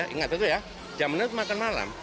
ingat itu ya jam enam makan malam